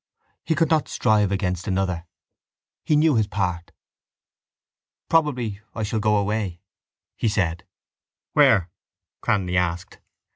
He could not strive against another. He knew his part. —Probably I shall go away, he said. —Where? Cranly asked.